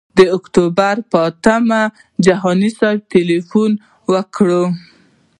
د اکتوبر پر اتمه جهاني صاحب ته تیلفون وکړ.